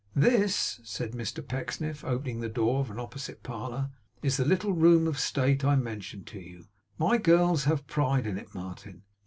'This,' said Mr Pecksniff, opening the door of an opposite parlour, 'is the little room of state, I mentioned to you. My girls have pride in it, Martin!